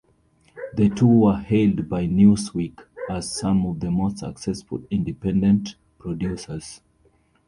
The two were hailed by "Newsweek" as some of the most successful independent producers.